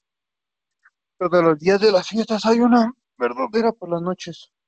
Todos los días de la fiesta hay una verbena por las noches.